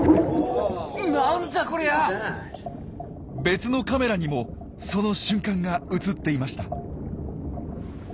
別のカメラにもその瞬間が映っていました。